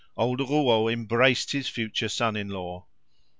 Old Rouault embraced his future son in law.